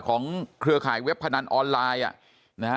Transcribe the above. ของเครือข่ายเว็บพนันออนไลน์